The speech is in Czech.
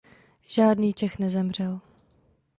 Žádný Čech nezemřel.